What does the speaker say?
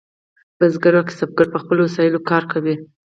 بزګر او کسبګر په خپلو وسایلو کار کوي.